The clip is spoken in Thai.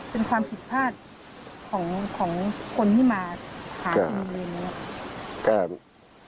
เป็นความผิดพลาดของคนที่มาหาที่นี่